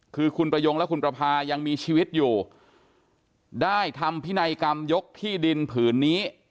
คือคุณประยงและคุณประพายังมีชีวิตอยู่ได้ทำพินัยกรรมยกที่ดินผืนนี้